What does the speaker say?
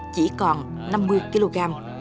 chỉ còn năm mươi kg